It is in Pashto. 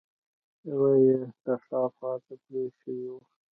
يوه يې د ښار خواته پرې شوې وه.